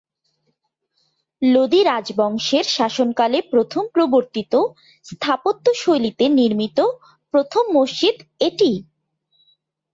লোদি রাজবংশের শাসনকালে প্রথম প্রবর্তিত স্থাপত্যশৈলীতে নির্মিত প্রথম মসজিদ এটিই।